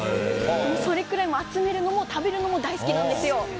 それくらい集めるのも食べるのも大好きなんですよ。